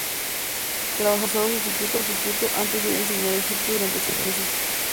Trabajó como profesor sustituto antes de ir a enseñar a Egipto durante seis meses.